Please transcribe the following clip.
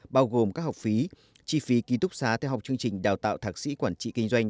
bao gồm các học phí chi phí ký túc xá theo học chương trình đào tạo thạc sĩ quản trị kinh doanh